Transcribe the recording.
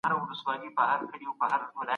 کمپيوټر يخ ځای غواړي.